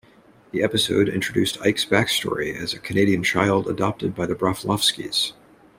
The episode introduced Ike's backstory as a Canadian child adopted by the Broflovskis.